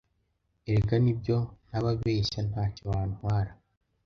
Erega nibyo ntababeshya ntacyo wantwara